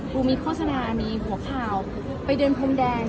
ปูมีโฆษณาอันนี้หัวข่าวไปเดินพรมแดง